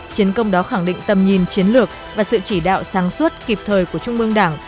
chiến công đó khẳng định tầm nhìn chiến lược và sự chỉ đạo sáng suốt kịp thời của trung mương đảng